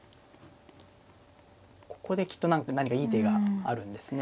ここできっと何かいい手があるんですね。